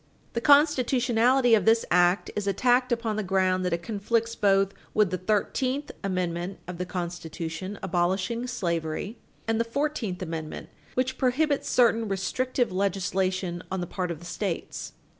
The constitutionality of this act is attacked upon the ground that it conflicts both with the Thirteenth Amendment of the Constitution, abolishing slavery, and the Fourteenth Amendment, which prohibits certain restrictive legislation on the part of the States.